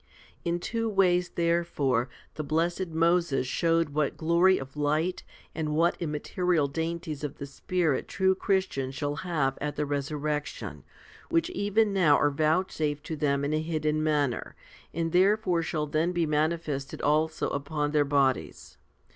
11. In two ways, therefore, the blessed Moses showed what glory of light and what immaterial dainties of the Spirit true Christians shall have at the resurrection, which even now are vouchsafed to them in a hidden manner, and therefore shall then be manifested also upon their bodies.